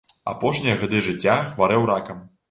Апошнія гады жыцця хварэў ракам.